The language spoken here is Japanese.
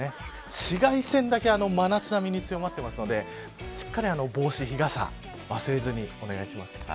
紫外線だけ真夏並みに強まっていますのでしっかり日傘、帽子忘れずにお願いします。